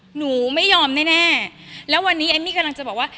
หนูไม่ยอมแน่แล้ววันนี้เอมมี่กำลังจะบอกว่า